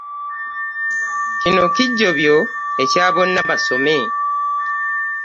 Kino kijobyo ekya bonna basome.